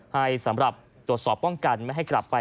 ให้สำหรับตรวจสอบป้องกันไม่ให้กลับไป